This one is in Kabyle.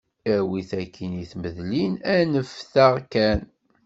Awi-t akkin i tmedlin, anfet-aɣ kan.